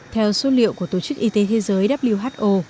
theo số liệu của tổ chức y tế thế giới who